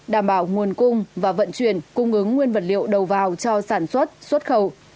đảm bảo nguồn cung và vận chuyển cung ứng nguyên vật liệu đầu vào cho sản xuất xuất khẩu